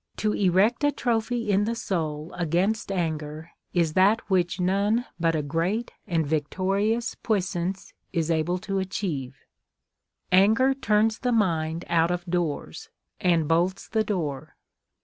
" To erect a trophy in the soul against anger is that which none but a great and vic torious puissance is al)le to achieve." — "Anger turns the mind out of doors, and bolts the door."